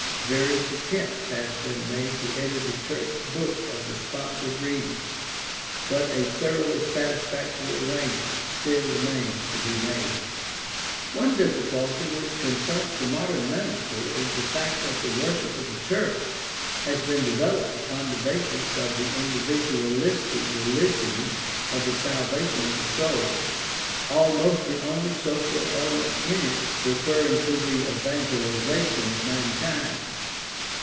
Various attempts have been made to edit a church book of responsive readings, but a thoroughly satisfactory arrange ment still remains to be made. PRACTICAL THEOLOGY 621 One difficulty which confronts the modern minister is the fact that the worship of the church has been developed upon the basis of the individualistic religion of the salvation of the soul, almost the only social element in it referring to the evan gelization of mankind.